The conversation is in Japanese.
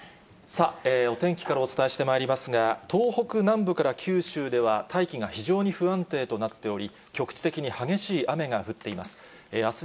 さあ、お天気からお伝えしてまいりますが、東北南部から九州では大気が非常に不安定となっており、局地的に激しい雨が降っています。